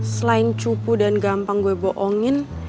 selain cupu dan gampang gue bohongin